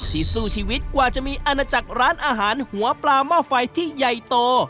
สู้ชีวิตกว่าจะมีอาณาจักรร้านอาหารหัวปลาหม้อไฟที่ใหญ่โต